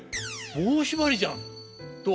『棒しばり』じゃん」と。